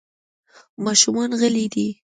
ماشومان غلي دي .